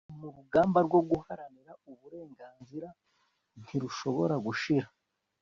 mu rugamba rwo guharanira uburenganzira ntirushobora gushira